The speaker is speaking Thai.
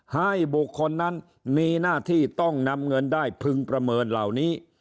ให้บุคคลนั้นมีหน้าที่ต้องนำเงินได้พึงประเมินเหล่านี้